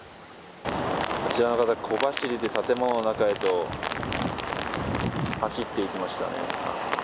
あちらの方小走りで建物の中へと走っていきましたね。